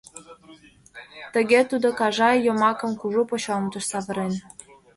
Тыге тудо «Кажай» йомакым кужу почеламутыш савырен.